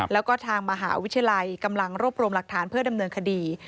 แล้วก็ทางมหาวิทยาลัยกำลังรวบรวมหลักฐานเพื่อดำเนินคดี